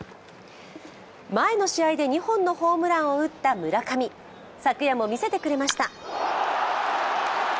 前の試合で２本のホームランを打った村上、昨夜もみせてくれました。